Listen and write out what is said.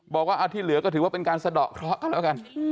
บอกว่าเอาที่เหลือก็ถือว่าเป็นการสะดอกเคราะห์กันแล้วกัน